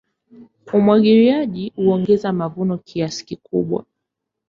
Umwagiliaji huongeza mavuno kiasi kikubwa.